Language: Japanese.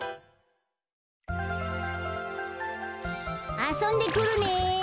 あそんでくるね。